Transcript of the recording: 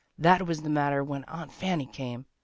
" That was the matter when Aunt Fanny came.